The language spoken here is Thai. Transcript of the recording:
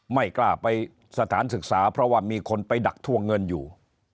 ไม่กล้าไปสถานศึกษาเพราะว่ามีคนไปดักท่วงเงินอยู่